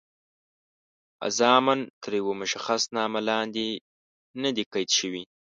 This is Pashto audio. الزاماً تر یوه مشخص نامه لاندې نه دي قید شوي.